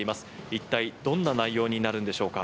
一体どんな内容になるんでしょうか。